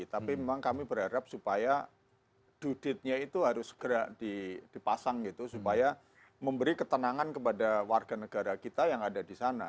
tapi memang kami berharap supaya duditnya itu harus segera dipasang gitu supaya memberi ketenangan kepada warga negara kita yang ada di sana